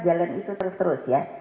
jalan itu terus terus ya